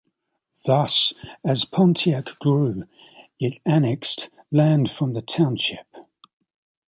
Thus, as Pontiac grew, it annexed land from the township.